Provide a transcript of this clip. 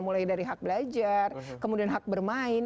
mulai dari hak belajar kemudian hak bermain